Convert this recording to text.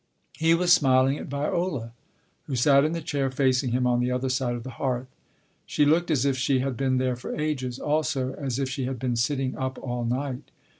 He was smiling at Viola, who sat in the chair facing him on the other side of the hearth. She looked as if she had been there for ages. Also, as if she had been sitting up all night.